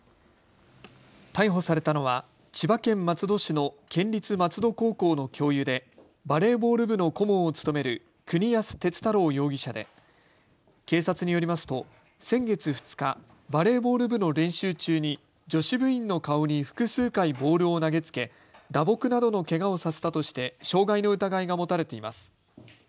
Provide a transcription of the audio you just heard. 逮捕されたのは千葉県松戸市の県立松戸高校の教諭でバレーボール部の顧問を務める國安鉄太郎容疑者で警察によりますと先月２日、バレーボール部の練習中に女子部員の顔に複数回ボールを投げつけ打撲などのけがをさせたとして傷害の疑いが持たれています。